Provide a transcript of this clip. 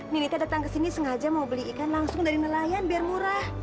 nita datang kesini sengaja mau beli ikan langsung dari nelayan biar murah